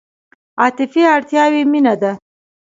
عاطفي اړتیاوې مینه ده.